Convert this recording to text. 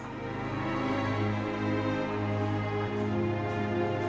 kelas dua sd ini